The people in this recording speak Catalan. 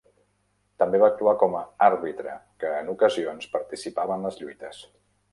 També va actuar com a àrbitre que, en ocasions, participava en les lluites.